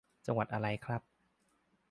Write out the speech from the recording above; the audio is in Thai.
จังหวัดอะไรครับ